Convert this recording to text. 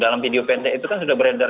dalam video pendek itu kan sudah beredar